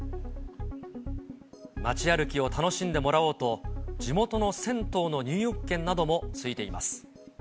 街歩きを楽しんでもらおうと、地元の銭湯の入浴券などもついています。